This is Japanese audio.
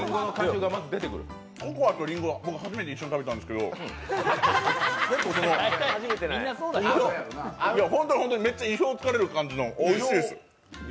ココアとりんご、僕初めて一緒に食べたんですけど、本当に本当に、めっちゃ意表を突かれる感じの、合うの？